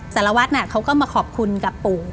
สารวัตรเขาก็มาขอบคุณกับปู่